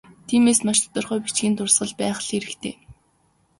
Тиймээс, маш тодорхой бичгийн дурсгал байх л хэрэгтэй.